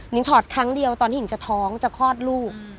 งถอดครั้งเดียวตอนที่หญิงจะท้องจะคลอดลูก